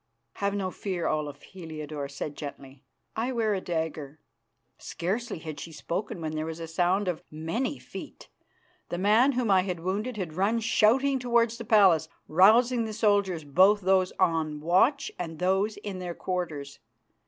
"Have no fear, Olaf," Heliodore said gently, "I wear a dagger." Scarcely had she spoken when there was a sound of many feet. The man whom I had wounded had run shouting towards the palace, rousing the soldiers, both those on watch and those in their quarters.